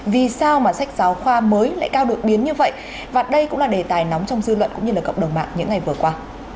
vì sao mà sách giáo khoa mới lại cao đột biến như vậy và đây cũng là đề tài nóng trong dư luận cũng như là cộng đồng mạng những ngày vừa qua